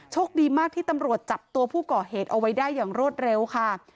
โชคดีมากที่ตำรวจจับตัวผู้ก่อเหตุเอาไว้ได้อย่างรวดเร็วค่ะ